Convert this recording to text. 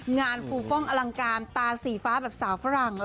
งานฟูฟ่องอลังการตาสีฟ้าแบบสาวฝรั่ง